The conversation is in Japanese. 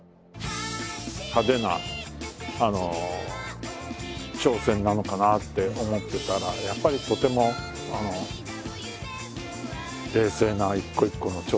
派手な挑戦なのかなって思ってたらやっぱりとても冷静な一個一個の挑戦をしてる。